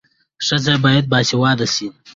ښځه باید باسواده سي.